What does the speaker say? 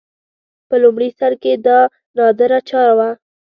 په لومړي سر کې دا نادره چاره وه